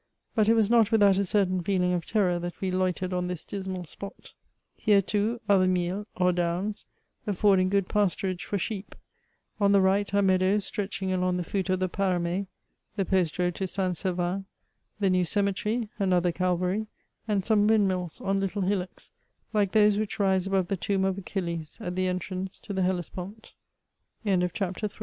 But, it was not without a certain feeling of terror that we loitered on this dismal spot. Here, too, are the Miels, or downs, affording good pasturage for sheep. On the right are meadows stretching along the foot of the Parame; — the post road to St. Servan ;— the new cemetery, — another Calvary, and some windmills on little hillocks like those which rise above the tomb of AchiUes at the entrance